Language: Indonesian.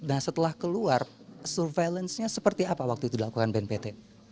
nah setelah keluar surveillance nya seperti apa waktu itu dilakukan bnpt